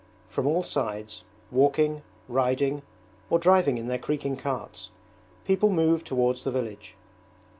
From all sides, walking, riding, or driving in their creaking carts, people move towards the village.